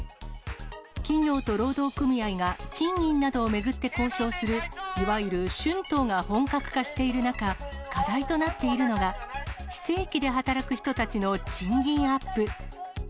企業と労働組合が賃金などを巡って交渉するいわゆる春闘が本格化している中、課題となっているのが、非正規で働く人たちの賃金アップ。